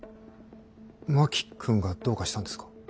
真木君がどうかしたんですか。